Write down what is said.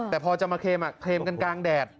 แต่พอจะมาเคลมเคลมกันกลางแดด